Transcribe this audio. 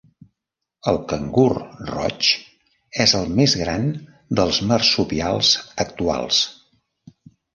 El cangur roig és el més gran dels marsupials actuals.